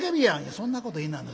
「そんなこと言いないな。